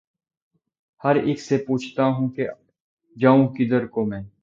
ہر اک سے پوچھتا ہوں کہ ’’ جاؤں کدھر کو میں